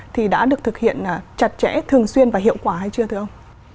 thì đã được thực hiện chặt chẽ thường xuyên và hiệu quả hay chưa thưa ông